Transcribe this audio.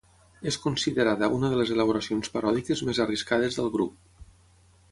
És considerada una de les elaboracions paròdiques més arriscades del grup.